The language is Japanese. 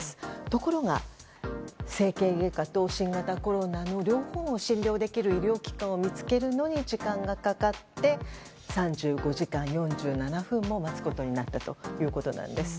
ところが整形外科と新型コロナの両方を診療できる医療機関を見つけるのに時間がかかって３５時間４７分も待つことになったということです。